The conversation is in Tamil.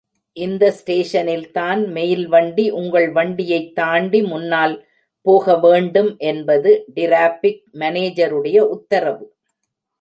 இந்த ஸ்டேஷனில்தான் மெயில்வண்டி உங்கள் வண்டியைத் தாண்டி முன்னால்போக வேண்டும் என்பது டிராபிக் மானேஜருடைய உத்தரவு.